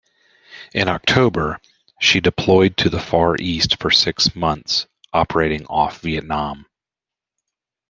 In October she deployed to the Far East for six months, operating off Vietnam.